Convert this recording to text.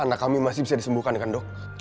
anak kami masih bisa disembuhkan kan dok